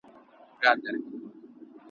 پر سپینو لېچو چي منګی تر ګودر تللی نه دی .